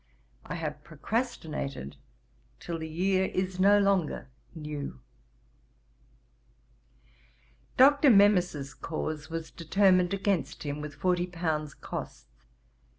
I have procrastinated till the year is no longer new. 'Dr. Memis's cause was determined against him, with £40 costs.